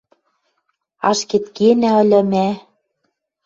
Ашкед кенӓ ыльы мӓ.